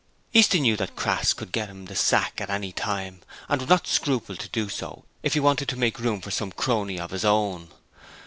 Easton knew that Crass could get him the sack at any time, and would not scruple to do so if he wanted to make room for some crony of his own.